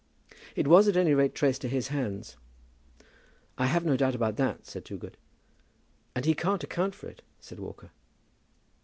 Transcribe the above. "It was at any rate traced to his hands." "I have no doubt about that," said Toogood. "And he can't account for it," said Walker.